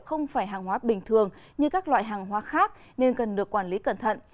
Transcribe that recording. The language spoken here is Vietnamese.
không phải hàng hóa bình thường như các loại hàng hóa khác nên cần được quản lý cẩn thận